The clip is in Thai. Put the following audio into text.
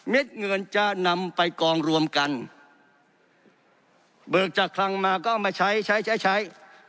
เงินจะนำไปกองรวมกันเบิกจากคลังมาก็เอามาใช้ใช้ใช้ใช้ใช้